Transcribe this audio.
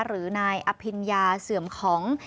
หรือนายอภิญญาเสื่อมของ